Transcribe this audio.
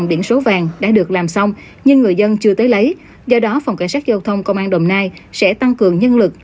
một mươi biển số vàng đã được làm xong nhưng người dân chưa tới lấy do đó phòng cảnh sát giao thông công an đồng nai sẽ tăng cường nhân lực